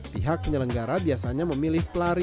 pihak penyelenggara biasanya memilih pelari